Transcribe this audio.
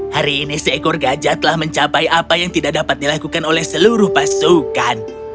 hari ini seekor gajah telah mencapai apa yang tidak dapat dilakukan oleh seluruh pasukan